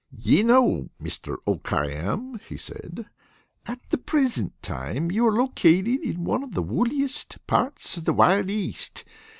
"Ye know, Mister O'Khayam," he said, "at the present time you are located in one of the wooliest parts of the wild East.